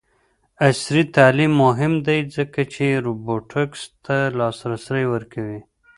عصري تعلیم مهم دی ځکه چې روبوټکس ته لاسرسی ورکوي.